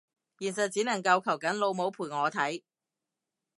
現實只能夠求緊老母陪我睇